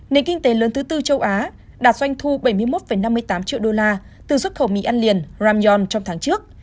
nền kinh tế lớn thứ tư châu á đạt doanh thu bảy mươi một năm mươi tám triệu đô la từ xuất khẩu mì ăn liền ramyon trong tháng trước